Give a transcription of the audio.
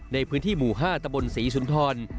ในพื้นที่หมู่๕ตะบนศรีสุนทร